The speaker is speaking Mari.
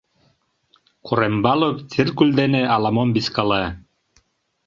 Корембалов циркуль дене ала-мом вискала.